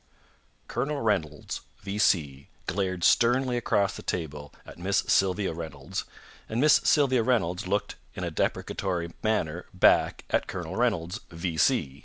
Colonel Reynolds, V.C., glared sternly across the table at Miss Sylvia Reynolds, and Miss Sylvia Reynolds looked in a deprecatory manner back at Colonel Reynolds, V.C.